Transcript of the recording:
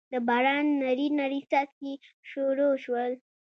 دباران نري نري څاڅکي شورو شول